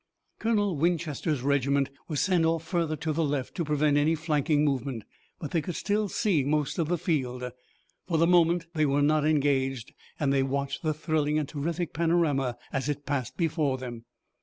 Colonel Winchester's regiment was sent off further to the left to prevent any flanking movement, but they could still see most of the field. For the moment they were not engaged, and they watched the thrilling and terrific panorama as it passed before them.